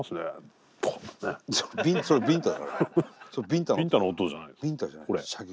ビンタじゃない射撃。